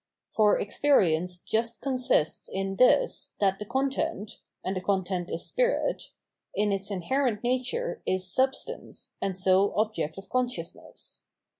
For experience just consists in this, that the content — and the content is spirit — ^in its inherent nature is substance and so object 814 Phenomenology of Mind of consciousness.